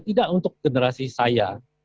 tidak untuk generasi saya